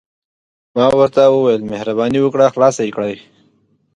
ما ورته وویل: مهرباني وکړه، خلاص يې کړئ.